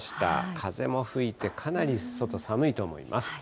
風も吹いて、かなり外、寒いと思います。